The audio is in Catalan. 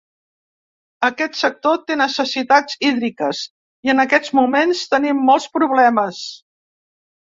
Aquest sector té necessitats hídriques i en aquests moments tenim molts problemes.